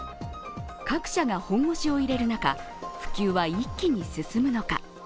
各社が本腰を入れる中、普及は一気に進むのか。